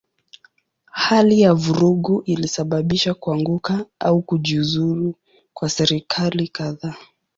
Hali ya vurugu ilisababisha kuanguka au kujiuzulu kwa serikali kadhaa.